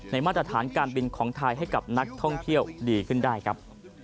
มาตรฐานการบินของไทยให้กับนักท่องเที่ยวดีขึ้นได้ครับ